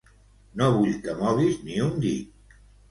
No vull que moguis ni un dit.